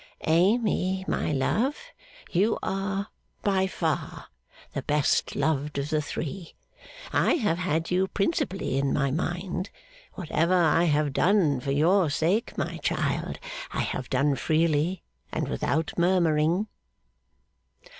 Amy, my love, you are by far the best loved of the three; I have had you principally in my mind whatever I have done for your sake, my dear child, I have done freely and without murmuring.